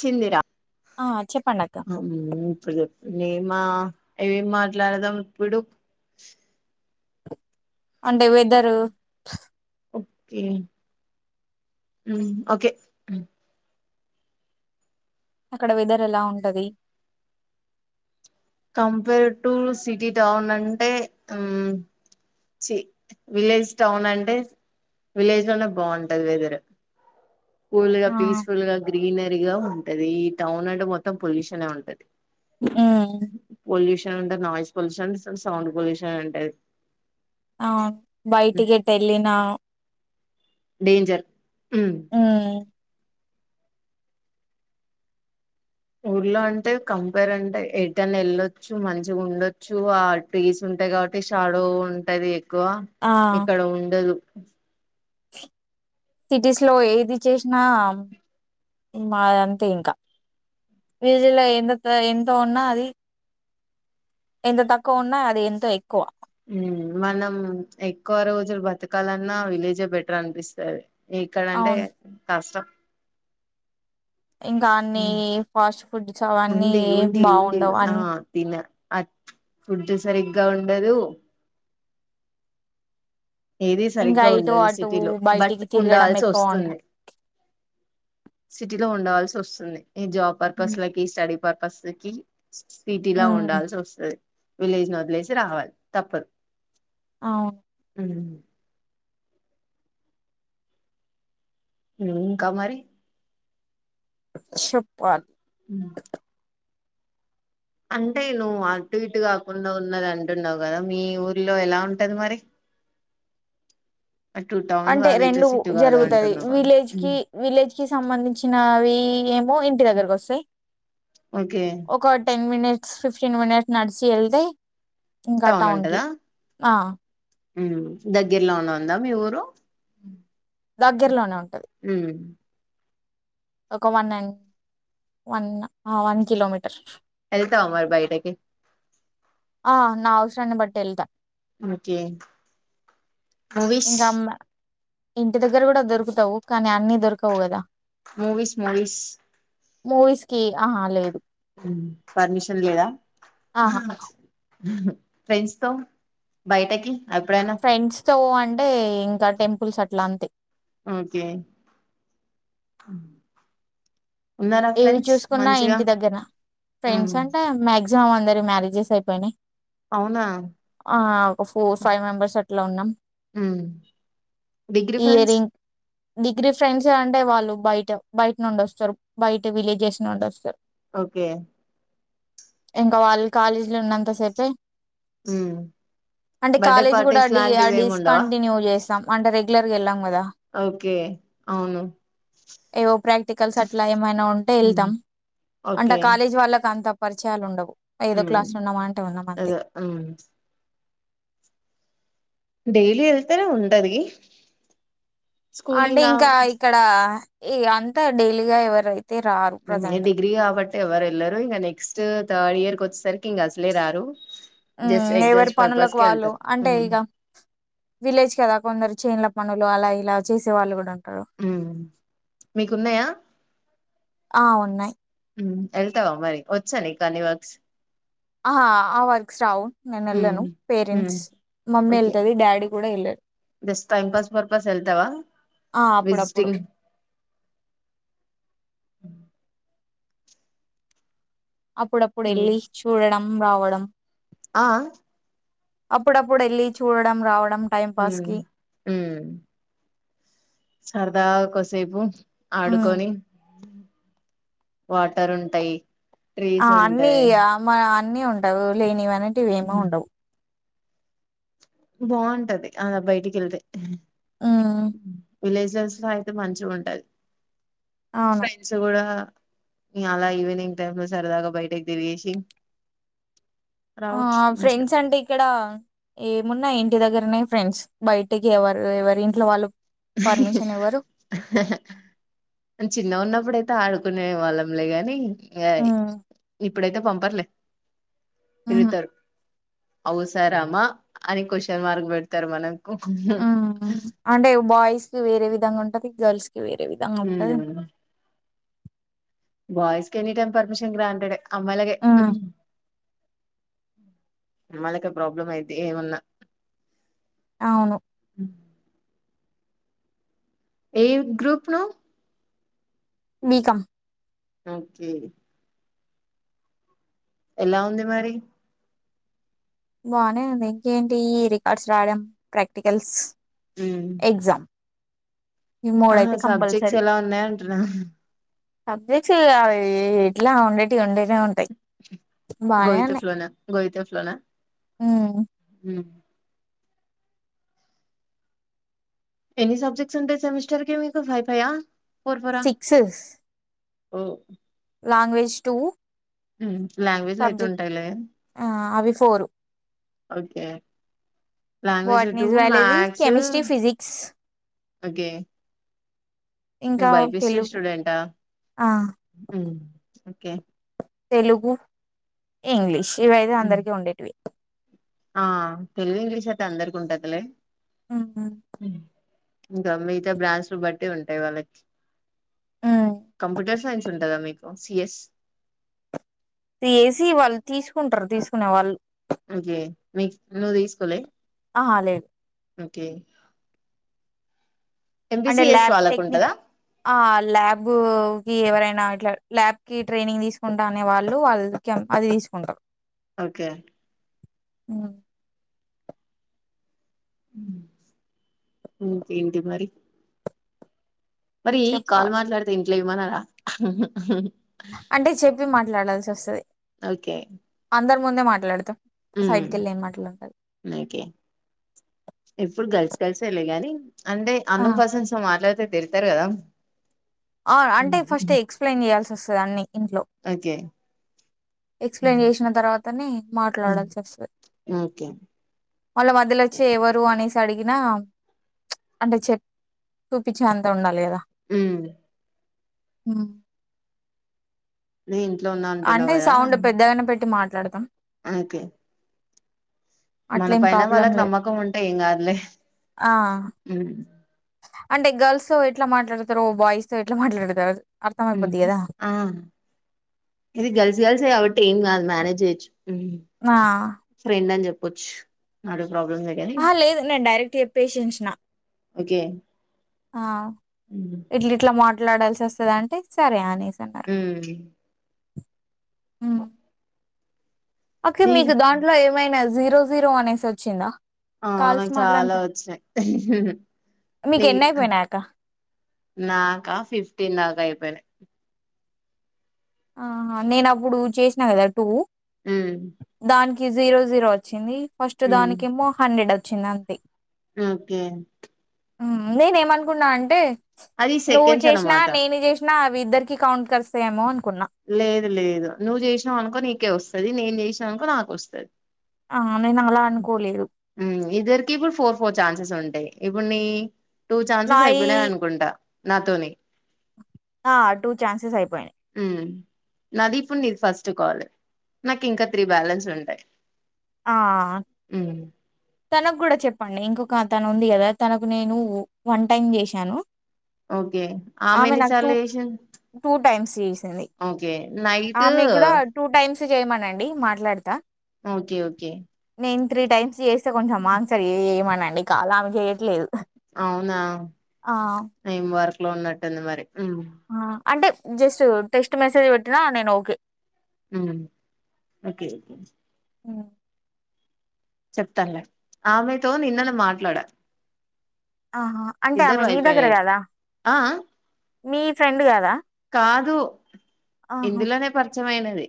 చిందిరా ఆ చెప్పండి అక్క అమ్మో ఇప్పుడు నేమా ఎమ్ మాట్లాడదాం ఇప్పుడు అంటే వెదరు ఓకే హ్మ్ ఓకే హ్మ్ అక్కడ వెదర్ ఎలా ఉంటది. కంపేర్ టు సిటీ టౌన్ అంటే హ్మ్ ఛీ విలేజ్ టౌన్ అంటే విలేజ్ లోనే బాగుంటది. వెదరు కూల్ గా ఆ పీస్ఫుల్ గా గ్రీనరీగా ఉంటది ఈ టౌన్ అంటే మొత్తం పొల్యూషనే ఉంటది. ఉమ్ pollution [unintelligible] noise pollution, sound pollution అంటది. అవున్ బయటి కెటిళ్ళినా డేంజర్ హ్మ్మ్ ఊర్లో అంటే కంపేర్ అంటే ఎటన్నా వెళ్ళొచ్చు మంచిగా ఉండొచ్చు. ఆ ట్రీస్ ఉంటాయి. కాబట్టి షాడో ఉంటది. ఎక్కువ ఆ ఇక్కడ ఉండదు. అస్ సిటీస్ లో ఏది చేసినా మాదంతే ఇంకా విలేజ్ లో ఎంత తో ఎంత ఉన్నా అది ఎంత తక్కువ ఉన్నా అది ఎంతో ఎక్కువ హ్మ్ మనం ఎక్కువ రోజులు బతకాలన్నా విలేజే బెటర్ అనిపిస్తది. ఇక్కడంటే అవును కష్టం. ఇంకా అన్ని ఉమ్, ఫాస్ట్ ఫుడ్స్ అవన్నీ ఉండి ఎమ్ బాగుండవు. అన్ అట్ ఫుడ్ సరిగ్గా ఉండదు. ఏది ఇంకా సరిగ్గా ఇటు ఉండదు అటు సిటీలో బట్ బయటికి తిరగడం ఉండాల్సి ఎక్కువ ఉండ వస్తుంది. సిటీలో ఉండవల్సి వస్తుంది. జాబ్ పర్పస్లకి స్టడి పర్పస్కి సిటీలా ఉమ్ ఉండాల్సి వస్తది. విలేజ్ని వదిలేసి రావాలి తప్పదు అవున్ ఉ హ్మ్ ఇంక మరి శెప్పల్ హ్మ్ అంటే నువ్వు అటు ఇటు కాకుండా ఉన్నది. అంటున్నావు కదా మీ ఊర్లో ఎలా ఉంటది. మరి అటు టౌన్ అంటే కాదు ఇటు రెండు సిటీ కాదు జరుగుతది అంటున్నావు కదా విలేజ్ కి విలేజ్ కి సంబంధించినవి ఏమో ఇంటి దగ్గరకి వస్తాయి. ఓకే ఒక టెన్ మినిట్ ఫిఫ్టీన్ మినిట్స్ నడిచి యెళ్తే ఇంకా టౌన్ కి ఆ హ్మ్ దగ్గరలోనే ఉందా మీ ఊరు దగ్గరలోనే ఉంటది. ఒక one and one. One kilometre వెళ్తావా మరి బయటకి. ఆ నా అవసరాన్ని బట్టి వెళ్తా. ఓకే అవిష్ ఇంకా అమ్మ ఇంటి దగ్గర కూడా దొరుకుతావు. కానీ అన్ని దొరకవు కదా. Movies movies. మూవీస్ కి ఆహా లేదు. పర్మిషన్ లేదా. ఆహా ఫ్రెండ్స్ తో బయటకి, ఎప్పుడేనా సో అంటే ఇంకా టెంపుల్స్ అట్లా అంతే. ఓకే ఉన్నారా ఏవి ఫ్రెండ్స్ చూసుకున్నా మంచిగా ఇంటి దగ్గర ఉమ్, ఫ్రెండ్స్ అంటే మ్యాగ జిమం అందరి మ్యారేజెస్ అయిపోయినాయి. అవునా ఆ ఒక ఫోర్ ఫైవ్ మెంబర్స్ అట్లా ఉన్నాం. డిగ్రీ ఫ్రెండ్స్ ఇయరింగ్ డిగ్రీ ఫ్రెండ్స్ అంటే వాళ్ళు బయట బయట నుండి వస్తారు. బయట విలేజెస్ నుండి వస్తారు. ఓకే ఇంకా వాళ్ళు కాలేజీ లో ఉన్నంత సేపే, ఉమ్, అంటే బర్త్డే కాలేజీ కూడా పార్టీస్ డి ఆ లాంటివి ఏమి ఉండవా డిస్కంటిన్యూ చేస్తాం. అంటే రెగ్యులర్గా వెళ్ళాం కదా. ఓకే అవును. ఏవో ప్రాక్టికల్స్ అట్లా ఏమైనా ఉంటే ఉమ్, వెళ్తాం అంటే ఓకే కాలేజీ వాళ్ళకి అంత. పరిచయాలు ఉండవు. ఐదో ఉమ్, క్లాసులు ఉన్నామా అంటే ఉన్నమంది. అదే ఉమ్, డైలీ వెళ్తేనే ఉంటది. అంటే స్కూలింగ్ కా- ఇంకా ఇక్కడ. ఇగ అంతా డైలీగా ఎవరైతే రారు హూ ప్రజెంట్ డిగ్రీ కాబట్టి. ఎవరూ ఎల్లర్ ఇక నెక్స్ట్ తర్డ్ ఇయర్ కొ సరికింగ అసలే రారు. ఊ జస్ట్ ఎవరి ఎగ్జామ్స్ పర్పస్ పనులకు కి వాళ్ళు వెళ్తారు అంటే ఉమ్, ఇక విలేజ్ కదా కొందరు చేన్ల పనులు అలా ఇలా చేసే వాళ్ళు కూడా ఉం మ్మ్ మీకున్నాయా ఆ ఉన్నాయ్ ఊ వెళ్తావా మరి వచ్చా నీ కన్నీ వర్క్స్ ఆ ఆ ఆ వర్క్స్ రావు నేను హ్మ్ వెళ్ళాను హ్మ్ పేరెంట్స్ మమ్మీ ఓకే వెళ్తది డాడీ కూడా వెళ్ళారు. జస్ట్ టైమ్ పాస్ పర్పస్ ఎళ్తావా ఆ అప్పుడప్పుడు విజిటింగ్ ఆ అప్పుడప్పుడు హ్మ్ వెళ్ళి చూడడం రావడం ఆ అప్పుడప్పుడు వెళ్ళి చూడడం రావడ డం టైం హ్మ్ పాస్కి హ్మ్ సరదాగా కోస్సేపు ఉమ్ ఆడుకొని వాటర్ ఉంటాయి. ఆ ట్రీస్ ఉంటాయి అన్నీయ మా అన్నీ ఉంటాయ్ ఉవు లేని అంటువేమో ఉండవు. బాగుంటది అలా బయటికేళ్తే ఉమ్ ఉ విలేజెస్లో అయితే మంచిగుంటది అవును ఫ్రెండ్స్ కూడా ఇంగ అలా ఈవినింగ్ టైమ్ లో సరదాగా బయటకి తిరీగేసి ఆ ఫ్రెండ్స్ అంటే ఇక్కడ ఏమున్నాయి. ఇంటి దగ్గరనే ఫ్రెండ్స్ బయటికి ఎవరు ఎవరి ఇంట్లో వాళ్ళు పర్మిషన్ ఇవ్వరు నేన్ చిన్న గున్నప్పుడు అయి తా ఆడుకునే వాళ్ళంలే గాని అయ్ ఉమ్ ఇప్ ఇప్పుడైయితే పంపర్లే ఉహు వెల్తారు. అవసరమా అనే క్వషన్ మార్క్ పెడతారు మనం [unintelligible] బాయ్స్కి వేరే విధంగా ఉంటది గర్ల్స్ వేరే విధంగా గుంటది. బా్స్ క ఎనీ టైమ్ పర్మిషన్ గ్రాంటెడ్ అమ్మలగే హ్మ్. అమ్మళకి ప్రాబ్లం అయితే ఏమున్నా అవును ఏ గ్రూప్ ను వీకాం ఓకే ఎలా ఉంది మరి బానే ఉంది ఇంకేంటి రికార్డ్స్ రావడం ప్రాక్టికల్స్ హ ఎగ్జామ్ ఈ ఆ మూడయితే సబ్జెక్ట్స్ కంపల్సరీ. ఎలా ఉన్నాయ అంటున్నా సబ్జెక్ట్స్ అవి ఎట్లా ఉండేవి ఉండే గోయితే ఫ్లోనా గోయితే ఫ్లోనా హ్మ్. ఎనీ సబ్జెక్ట్స్ అంటే సెమిస్టర్ కి మీకు ఫై ఫైయా సిక్సెస్ ఓ లాంగ్వేజ్ టూ లాంగ్వేజ్లు అయితే ఉంటాయిలే ఫోరు ఓకే లాంగ్వేజ్ టూ వాట్నిస్ బయాలజీ మ్యాథ్స్ కెమిస్ట్రీ ఫిజిక్స్ ను్ ఇంకా బైబిఎ తెలుగు ఆ! స్టూడెంట్ఓకే తెలుగు ఇంగ్లిష్ ఇవి అయితే ఉమ్, అందరికీ ఉండేటివి ఆ తెలుగు ఇంగ్లీష్ అయితే అందరిక ఉంటదిలే ఆ ఉమ్, ఇంకా మిగతా బ్రాంచడ్స్లు బట్టి ఉంటాయి వాళ్ళకి హ్మ్. కంప్యూటర్ సైన్స్ ఉంటదా మీకు కాసియస్ చేసి వాళ్ళు తీసుకుంటారు తీసుకునే వాళ్ళు కే మీకు నువ్వు తీసుకోవలే ఆ లేదు ఓకే అంటే ఎంపీసిఎస్ ల్యాబ్ వాళ్ళకు టెక్నిక్ ఉంటదా ఆ ల్యాబ్ ఎవరైనా ఇట్లా ల్యాబ్ కి ట్రైనింగ్ తీసుకుంటా అనే వాళ్ళు వాళ్ళకి అది తీసుకుంటారు ఓకే అ క ఏంటి మరి మరీ కాల్ చెప్పాలి మాట్లాడ్తే ట్లే మనర అంటే చెప్ పి మాట్లాడాల్సి ఒస్తది ఒకే అందరు ముందె మాట్లాడ్తం సైడ్కి ఎళ్ళి ఎం మాటలు ఉంటా ప్పుడు గర్ల్స్ గర్ల్సేలెగని అంటే ఆ అనో పసన్స్ మాట్లాడ్తే తిడ్తరు గదా ఆ అంటే ఫస్ట్ ఎక్స్ప్లెయిన్ చేయాల్సి ఒస్ తది అన్ని ఇంట్లో అకె ఎక్స్ప్లెయిన్ జేష్న తర్వాతనె ఉమ్, మాట్లాడాల్సి అస్తది ఓకే వాళ్ళ మధ్యలో ఒచ్చి ఎవరు అనేసి అడిగినా అంటే చెప్ చూపిచ్చె అంత ఉండాలి గదా ఉ ఉ మే అంటే సౌండ్ పెద్దగానే పెట్టి మా లాడ్తా అకె మన అట్లేం పైన ప్రాబ్లం వాళ్ళకి లేదు. నమ్మకం ఉంటే ఏం గాద్లే ఆ హు అంటే గర్ల్స్ తో ఎట్లా మాట్లాడ్తారో బాయ్స్ తో ఎట్లా మాట్లాడ్తారు హు ఆ ఇది గర్ల్స్ గర్ల్సే గాబట్టి ఏం గాదు మనేజ్ జేయొచ్చు ఆ ఫ్రెండ్ అని జెప్ ఒచ్చ అడు ప్రాబ్లంలెగని చెప్పేశిన్సిన ఒకే ఆ ఇట్లిట్లా మాట్ మాట్లాడాల్సి అస్తది అంటే సరే అనేస్ ఊ ఉ ఓకే నీది మీక్ దాంట్లో ఏమైనా జీరో జీరో అనేసోచ్చిందా ఆ నాకు చాలా వచ్చాయ్, మీకు ఎన్ని నీక్ అయిపోయినాయి అక్క నాక ఫిఫ్టీన్ దాకా అయిపోయినయ్. ఆహా నేను అప్పుడు చేసిన కదా టూ ఉమ్ దాన్ కి జీరో జీరో వచ్చింది. ఫస్ట్ ఉమ్ దానికేమో హండ్రెడ్ అచ్ చ్చిందంతె ఓకే ఉమ్ నేనేమనుకున్నా అంటే అది నువ్వు సెకండ్స్ చేసినా, అన్నమాట నేను చేసిన మీ ఇద్దరికి కౌంట్స్ కలుస్తయేమో అన్ లేదు లేదు నువ్వు చేసినవు అనుకో నీకే వస్తది, నేను చేసిననుకో నాకు వస్తది. ఆ నేను అలా అనుకోలేదు ఉమ్ ఇద్దరికి ఇప్పుడు ఫోర్ ఫోర్ ఛాన్సెస్ ఉంటయ్. ఇప్పుడు నీ టూ ఛాన్సెస్ నాయి అయిపోయినయి అనుకుంట. నాతోని ఆ టూ ఛాన్సెస్ అయిపోయినయ్. ఉమ్ నాదిపుడు నీది ఫస్ట్ కాల్, నాకింక త్రీ బ్యాలెన్స్ ఉంటయ్. ఆ తనకు కూడ చెప్పండి, ఇంకొక తను ఉంది కదా, తనకు నేను వన్ టైమ్ చేశాను. ఓకే ఆమె ఆమెన్ని నాకు టూ సార్లు చేసింది, టూ టైమ్స్ చేసింది ఓకే నైటు జేయమనండి మాట్లాడతా. ఓకే ఓకే నేను త్రీ టైమ్స్ చేసి చం కొంచెం మాంగ్ సారు ఏయే మన మీ కాలంకే అవునా ఏం వర్ ట్లో ఉన్నట్టు ఉంది మరి. ఉమ్ ఆ, అంటే జస్ట్ టెస్ట్ మెసేజ్ పెట్టినా నేను ఓకే. ఉమ్ ఓకే ఉమ్ చెప్తాన్లే, ఆమెతో నిన్నలె మాట్లాడా. ఆహా అంటే ఆమె ఇద్దరు మీ దగ్గర అయిపోయినాయి కాదా ఆ ఆ మీ ఫ్రెండ్ కాద కాదు ఇందులోనే పర్ మచ్చమైనది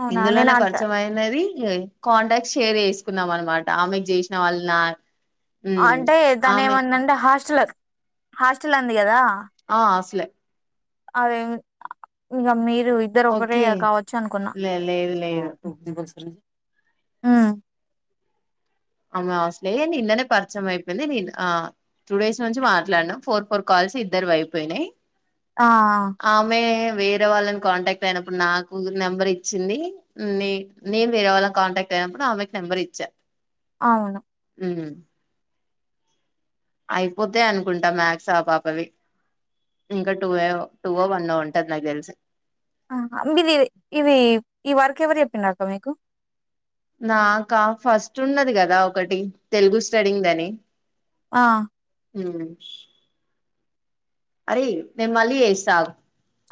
అవునా నేను ఇందులోనే అంత ఖర్చ అయినది కాంటాక్ట్ షేర్ చేసుకున్నాం అనమాట ఆమెకి చేసిన వాళ్ళు నా మ్ అంటే దాని ఆమె ఏమందంటే హాస్టల్ హాస్టల్ అంది కదా ఆ అస్లే అదే ఇకా మీ ఇద్దరు ఒకరే ఓకే కావచ్చు అనుకున్నా లే లేదు లేదు ఆ ఇంగా అసలే ఏంది ఇండ్లనే పరిచయం అయిపోయింది, నీ ఆ టూ డేస్ నుంచి మాట్లాడినాం ఫోర్, ఫోర్ కాల్స్ ఇద్దరివి అయిపోయినాయి. ఆ ఆమె వేరే వాళ్ళని కాంటాక్ట్ అయినప్పుడు నాకు నెంబర్ ఇచ్చింది. నే నేను వేరే వాళ్ళని కాంటాక్ట్ అయినప్పుడు ఆమెకి నెంబర్ ఇచ్చా. అవును హ్మ్ అయిపోతే అనుకుంటా మ్యాక్స్ ఆ పాపవి ఇంకా, టూ ఏ టూ వన్ ఓ ఉంటది నాకు తెలిసి. ఆ మీది ఇవి ఈ వర్క్ ఎవరు చెప్పిన్రు అక్క మీకు నాకా ఫస్ట్ ఉన్నది కదా ఒకటి తెలుగు స్టడింగ్ దని ఆ అరే నేన్ మళ్ళీ చేసా ఆగ్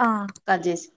ఆ కా జేసి